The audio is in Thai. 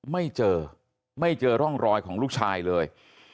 ไม่เจอไม่เจอร่องรอยของลูกชายเลย